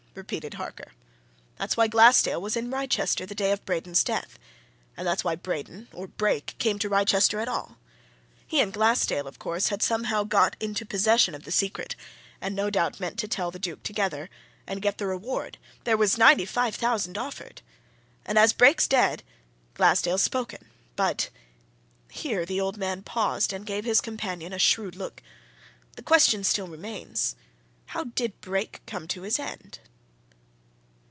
repeated Harker. "That's why Glassdale was in Wrychester the day of Braden's death. And that's why Braden, or Brake, came to Wrychester at all. He and Glassdale, of course, had somehow come into possession of the secret, and no doubt meant to tell the Duke together, and get the reward there was 95,000 offered! And as Brake's dead, Glassdale's spoken, but" here the old man paused and gave his companion a shrewd look "the question still remains: How did Brake come to his end?"